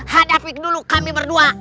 hadapin dulu kami berdua